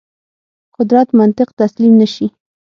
قدرت منطق تسلیم نه شي.